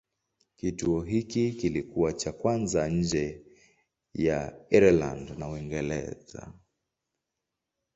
Kituo hiki kilikuwa cha kwanza nje ya Ireland na Uingereza.